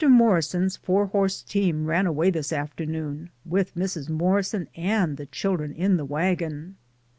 Morrison's four horse team ran away this afternoon with Mrs. Morrison and the children in the wagon.